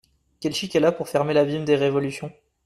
Quel chic elle a pour fermer l’abîme des révolutions !